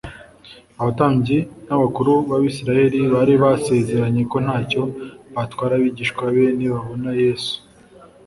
Abatambyi n' abakuru b' abisiraeli bari basezeranye ko ntacyo batwara abigishwa be nibabona yesu,